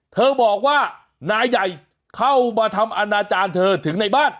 เธอบอกว่านายใหญ่เข้ามาทำอนาจารย์เธอถึงในบ้าน